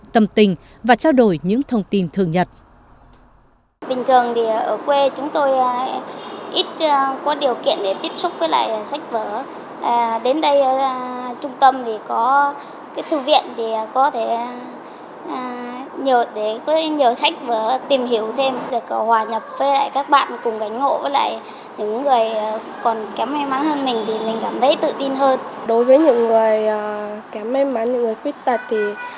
tâm tình và trao đổi những thông tin thường nhật